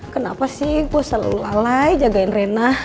kenapa sih gue selalu lalai jagain renah